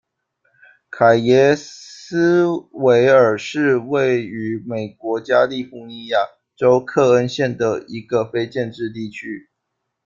凯耶斯维尔是位于美国加利福尼亚州克恩县的一个非建制地区。